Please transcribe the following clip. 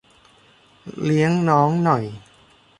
เลี้ยงน้องหน่อย